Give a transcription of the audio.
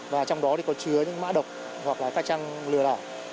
và trong đó thì có chứa những mã độc hoặc là các trang lừa đảo